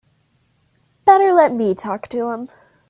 Better let me talk to him.